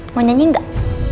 mau nyanyi gak